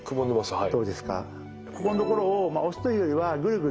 はい。